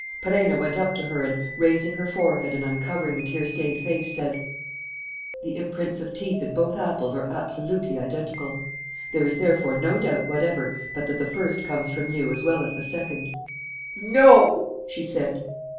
Perenna went up to her and, raising her forehead and uncovering the tear stained face, said: "The imprints of teeth in both apples are absolutely identical. There is therefore no doubt whatever but that the first comes from you as well as the second." "No!" she said.